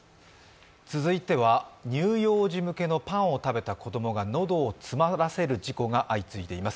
続いては乳幼児向けのパンを食べた子供が喉を詰まらせる事故が相次いでいます。